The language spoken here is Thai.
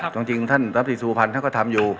จริงท่านรัฐศรีสุพรรณท่านก็ทำอยู่